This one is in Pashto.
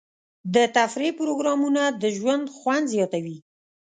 د تفریح پروګرامونه د ژوند خوند زیاتوي.